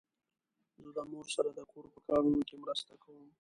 زه د مور سره د کور په کارونو کې مرسته کوم.